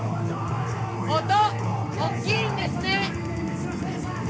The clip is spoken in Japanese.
音おっきいんですね